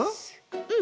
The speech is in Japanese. うん。